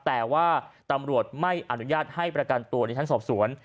แต่ว่าตำรวจไม่อนุญาตให้ประกันตัวในชั้นสอบสวน